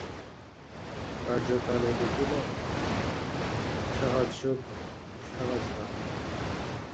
কার্যকালে দেখিল, সহজ সুখ সহজ নহে।